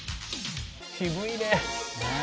「渋いねえ」